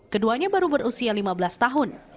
keduanya baru berusia lima belas tahun